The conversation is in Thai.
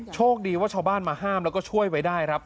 โชคดีว่าชาวบ้านมาห้ามแล้วก็ช่วยไว้ได้ครับ